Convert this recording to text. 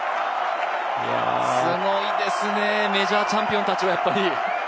すごいですね、メジャーチャンピオンたちは。